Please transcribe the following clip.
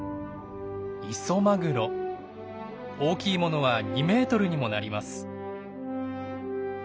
大きいものは２メートルにもなります。